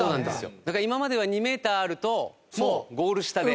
だから今までは２メーターあるともうゴール下で。